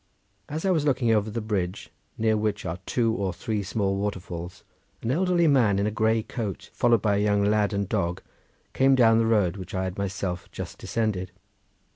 As I was looking over the bridge near which are two or three small waterfalls, an elderly man in a grey coat, followed by a young lad and dog, came down the road which I had myself just descended.